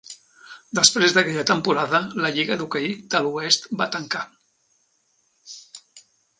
Després d'aquella temporada, la Lliga de hoquei de l'oest va tancar.